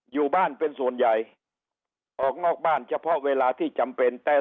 อยู่บ้านเป็นส่วนใหญ่ออกนอกบ้านเฉพาะเวลาที่จำเป็นแต่